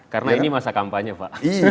karena ini masa kampanye pak